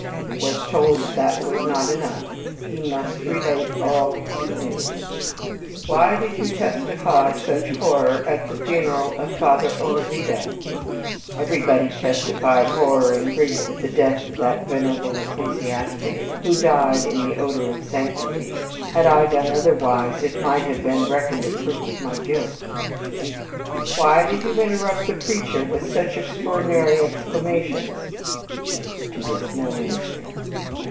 He was told that was not enough, he must relate all he knew. ..... "Why did you testify such horror at the funeral of Father Olavida?" "Everyone testified horror and grief at the death of that venerable ecclesiastic, who died in the odor of sanctity. Had I done otherwise, it might have been reckoned a proof of my guilt." "Why did you interrupt the preacher with such extraordinary exclamations?" To this no answer.